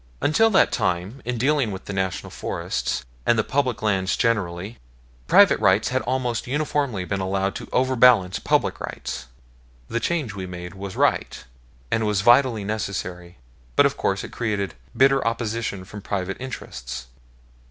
Until that time, in dealing with the National Forests, and the public lands generally, private rights had almost uniformly been allowed to overbalance public rights. The change we made was right, and was vitally necessary; but, of course, it created bitter opposition from private interests.